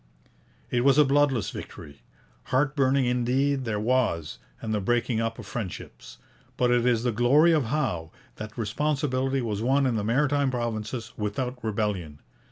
It was a bloodless victory. Heart burning indeed there was, and the breaking up of friendships. But it is the glory of Howe that responsibility was won in the Maritime Provinces without rebellion.